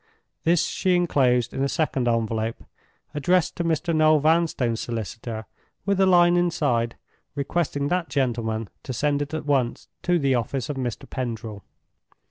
This she inclosed in a second envelope, addressed to Mr. Noel Vanstone's solicitor, with a line inside, requesting that gentleman to send it at once to the office of Mr. Pendril.